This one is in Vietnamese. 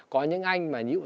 có những anh mà như